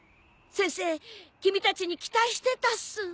先生君たちに期待してたっす。